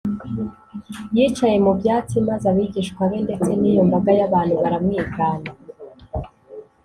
yicaye mu byatsi, maze abigishwa be ndetse n’iyo mbaga y’abantu baramwigana